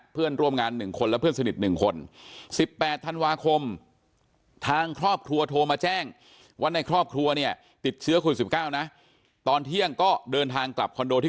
เพื่อนร่วมงาน๑คนและเพื่อนสนิท๑คน๑๘ธันวาคมทางครอบครัวโทรมาแจ้งว่าในครอบครัวเนี่ยติดเชื้อคุณ๑๙นะ